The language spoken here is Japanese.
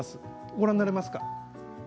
ご覧になれますか？